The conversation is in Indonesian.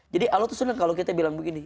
jadi allah tuh senang kalo kita bilang begini